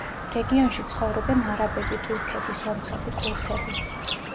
რეგიონში ცხოვრობენ არაბები, თურქები, სომხები, ქურთები.